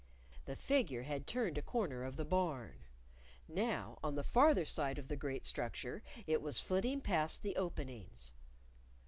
The figure had turned a corner of the Barn. Now, on the farther side of the great structure, it was flitting past the openings.